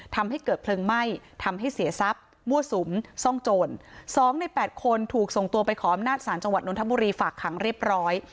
ทำให้เกิดเพลิงไหม้ทำให้เสียทรัพย์มั่วสุมซ่องโจรสองในแปดคนถูกส่งตัวไปขออำนาจศาลจังหวัดนทบุรีฝากขังเรียบร้อย